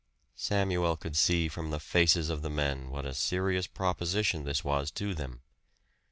Samuel could see from the faces of the men what a serious proposition this was to them.